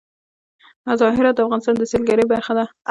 هرات د افغانستان د سیلګرۍ برخه ده.